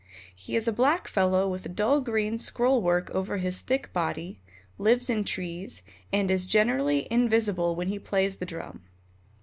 He is a black fellow with dull green scroll work over his thick body, lives in trees, and is generally invisible when he plays the drum.